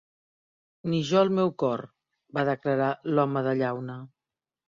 "Ni jo el meu cor", va declarar l'Home de Llauna.